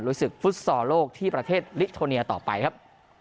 รวยศึกฟุษศาสตร์โลกที่ประเทศลิทโทเนียต่อไปครับ